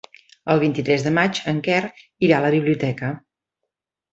El vint-i-tres de maig en Quer irà a la biblioteca.